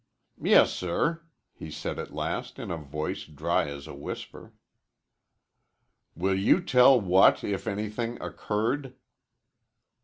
"Yes, sir," he said at last in a voice dry as a whisper. "Will you tell what, if anything, occurred?"